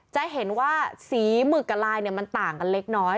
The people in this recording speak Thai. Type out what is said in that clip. จะเห็นว่าสีหมึกกับลายมันต่างกันเล็กน้อย